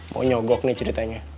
mau nyogok nih ceritanya